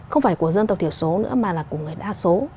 không phải của dân tộc thiểu số nữa mà là của người đa số